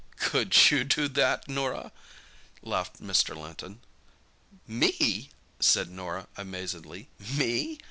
"Could you do that, Norah?" laughed Mr. Linton. "Me?" said Norah amazedly; "me?